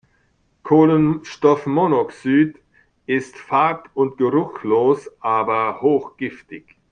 Kohlenstoffmonoxid ist farb- und geruchlos, aber hochgiftig.